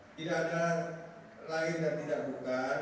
tidak ada lain yang tidak bukan